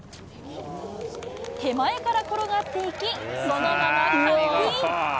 手前から転がっていき、そのままカップイン。